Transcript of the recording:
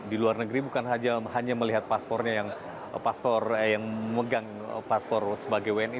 di luar negeri bukan hanya melihat paspornya yang megang paspor sebagai wni